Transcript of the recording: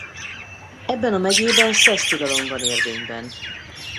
Ebben a megyében szesztilalom van érvényben.